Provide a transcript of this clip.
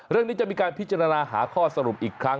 เรื่องนี้จะมีการพิจารณาหาข้อสรุปอีกครั้ง